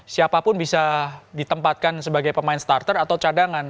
siapapun bisa ditempatkan sebagai pemain starter atau cadangan